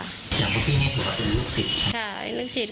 อย่างที่พี่นี่บอกว่าเป็นลูกศิษย์ใช่ไหม